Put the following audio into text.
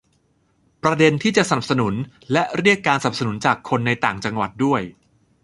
ประเด็นที่จะสนับสนุนและเรียกการสนับสนุนจากคนในต่างจังหวัดด้วย